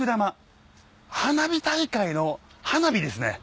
花火大会の花火ですね。